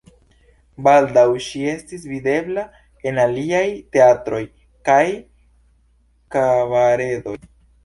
Baldaŭ ŝi estis videbla en aliaj teatroj kaj kabaredoj.